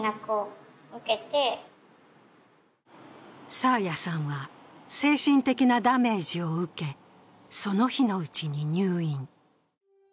爽彩さんは精神的なダメージを受け、その日のうちに入院。